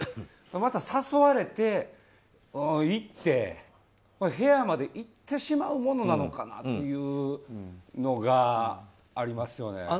また誘われて、行って部屋まで行ってしまうものなのかなというのがありますよね。